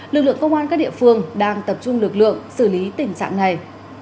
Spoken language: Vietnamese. lực lượng công an các địa phương đang tập trung lực lượng xử lý tình trạng này